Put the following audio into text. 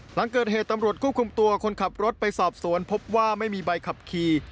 หลังเกิดเหตุตำรวจควบคุมตัวคนขับรถไปสอบสวนพบว่าไม่มีใบขับขี่